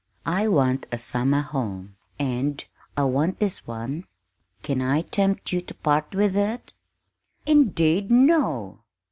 I want a summer home, and I want this one. Can I tempt you to part with it?" "Indeed, no!"